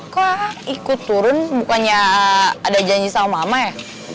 kok ikut turun bukannya ada janji sama mama ya